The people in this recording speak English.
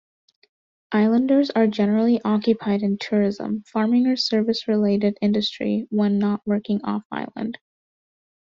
Islanders are generally occupied in tourism, farming or service-related industries when not working off-island.